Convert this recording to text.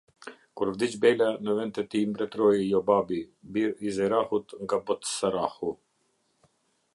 Kur vdiq Bela, në vend të tij mbretëroi Jobabi, bir i Zerahut nga Botsrahu.